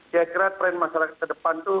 kira kira tren masyarakat ke depan itu